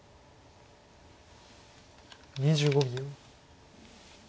２５秒。